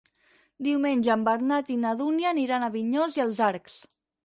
Diumenge en Bernat i na Dúnia aniran a Vinyols i els Arcs.